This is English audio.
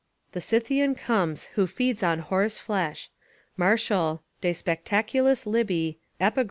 ["The Scythian comes, who feeds on horse flesh" Martial, De Spectaculis Libey, Epigr.